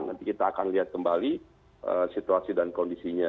nanti kita akan lihat kembali situasi dan kondisinya